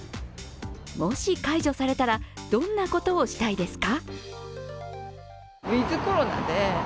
もし解除されたら、どんなことをしたいですか？